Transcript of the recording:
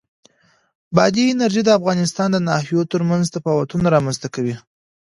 بادي انرژي د افغانستان د ناحیو ترمنځ تفاوتونه رامنځ ته کوي.